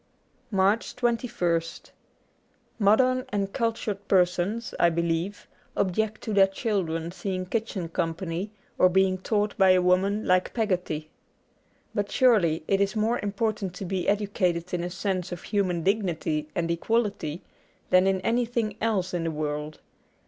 '' 86 MARCH 2 1 St MODERN and cultured persons, I believe, object to their children seeing kitchen company or being taught by a woman like Peggotty. But surely it is more important to be educated in a sense of human dignity and equality than in any thing else in the world.